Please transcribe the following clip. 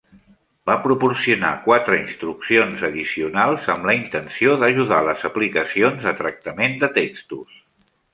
Va proporcionar quatre instruccions addicionals amb la intenció d'ajudar les aplicacions de tractament de textos.